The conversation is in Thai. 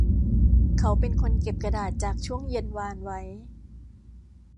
เขาเป็นคนเก็บกระดาษจากช่วงเย็นวานไว้